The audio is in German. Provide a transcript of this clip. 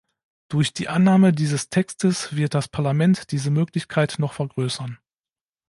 Durch die Annahme dieses Textes wird das Parlament diese Möglichkeit noch vergrößern.